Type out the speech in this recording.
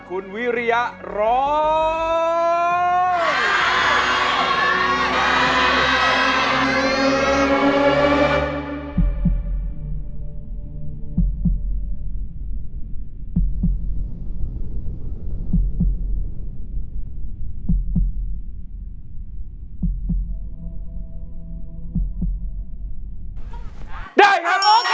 คุณวิริยะร้อง